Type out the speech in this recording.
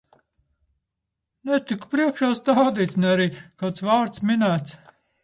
Netiku priekšā stādīts, ne arī kāds vārds minēts.